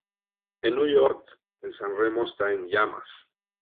En Nueva York, el San Remo está en llamas.